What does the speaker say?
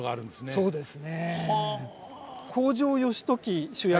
そうですね。